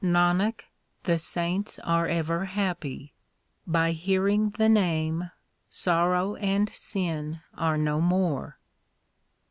Nanak, the saints are ever happy. By hearing the Name sorrow and sin are no more.